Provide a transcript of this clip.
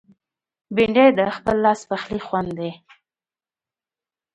بېنډۍ د خپل لاس پخلي خوند دی